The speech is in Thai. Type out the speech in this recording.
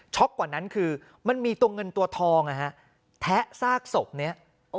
กว่านั้นคือมันมีตัวเงินตัวทองแทะซากศพนี้